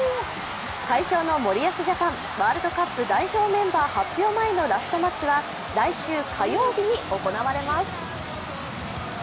快勝の森保ジャパン、ワールドカップ代表メンバー発表前のラストマッチは来週火曜日に行われます。